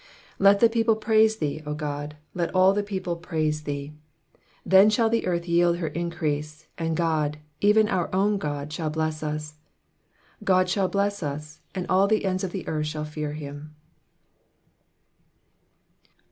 5 Let the people praise thee, O God ; let all the people praise thee. 6 TA^n shall the earth yield her increase ; and God, even our own God, shall bless us. 7. God shall bless us ; and all the ends of the earth shall fear him.